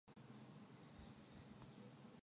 之后任中共中央中原局秘书长。